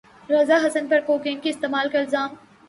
رضا حسن پر کوکین کے استعمال کا الزام